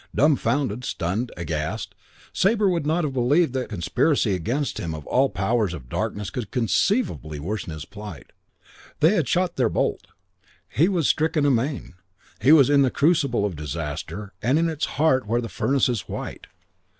Dumfounded, stunned, aghast, Sabre would not have believed that conspiracy against him of all the powers of darkness could conceivably worsen his plight. They had shot their bolt. He was stricken amain. He was in the crucible of disaster and in its heart where the furnace is white.